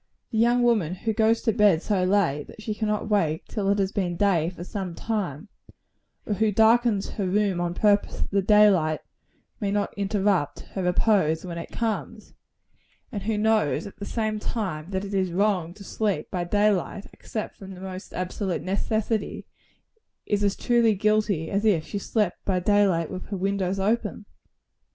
The young woman who goes to bed so late that she cannot wake till it has been day for some time or who darkens her room on purpose that the day light may not interrupt her repose when it comes and who knows, at the same time, that it is wrong to sleep by day light, except from the most absolute necessity is as truly guilty, as if she slept by day light with her windows open.